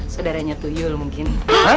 saudaranya tuyul mungkin